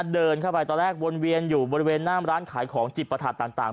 เดินเข้าไปตอนแรกวนเวียนอยู่บริเวณหน้ามร้านขายของจิบประถาดต่าง